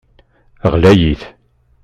Ɣlayit.